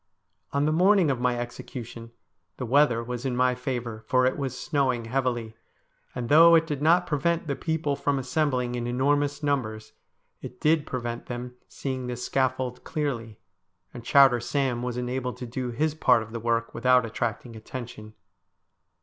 On the morning of my execution the weather was in my favour, for it was snowing heavily, and though it did not prevent the people from assembling in enormous numbers, it did prevent them seeing the scaffold clearly, and Chowder Sam was enabled to do his part of the work without attracting attention.